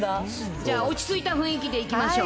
じゃあ、落ち着いた雰囲気でいきましょう。